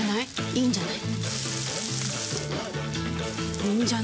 いいんじゃない？